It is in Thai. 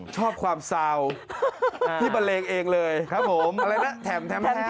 เจอเขาแล้วเจอเขาแล้ว